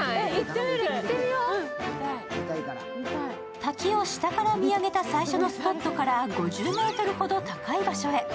滝を下から見上げた最初のスポットから５０ｍほど高い場所へ。